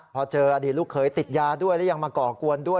พอเจออดีตลูกเคยติดยาด้วยแล้วยังมาก่อกวนด้วย